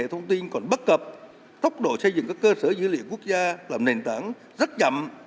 thông tin còn bất cập tốc độ xây dựng các cơ sở dữ liệu quốc gia là nền tảng rất chậm